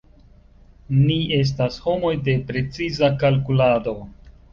Ni estas homoj de preciza kalkulado.